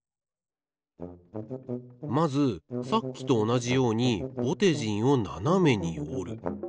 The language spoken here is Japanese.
まずさっきとおなじようにぼてじんをななめにおる。